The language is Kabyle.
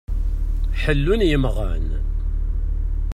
Ḥellun yimɣan.